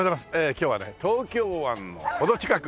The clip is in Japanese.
今日はね東京湾の程近く。